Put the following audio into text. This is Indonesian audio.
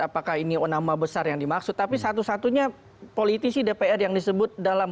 apakah ini onama besar yang dimaksud tapi satu satunya politisi dpr yang disebut dalam